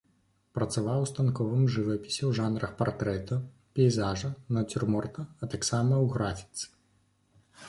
Працаваў у станковым жывапісе ў жанрах партрэта, пейзажа, нацюрморта, а таксама ў графіцы.